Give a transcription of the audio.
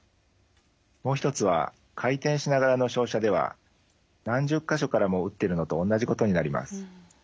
もう一つは回転しながらの照射では何十か所からもうってるのとおんなじことになります。